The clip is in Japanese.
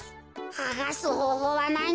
はがすほうほうはないのか？